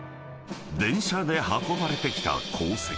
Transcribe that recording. ［電車で運ばれてきた鉱石］